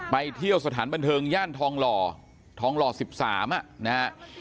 ไปเที่ยวสถานบันเทิงย่านทองหล่อทองหล่อ๑๓นะฮะ